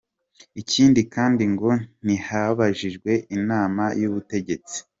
Ikindi kandi ngo ntihabajijwe inama y’ubutegetsi.